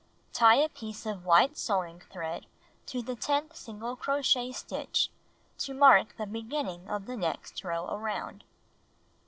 Tie a piece of white sewing thread to the tenth single crochet stitch, to mark the beginning of the next row around.